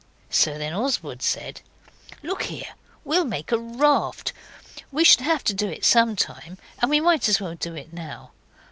So then Oswald said 'Look here, we'll make a raft. We should have to do it some time, and we might as well do it now.